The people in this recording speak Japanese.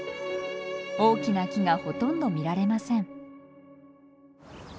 大きな木がほとんど見られません。